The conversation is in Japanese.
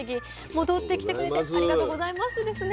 戻ってきてくれてありがとうございますですね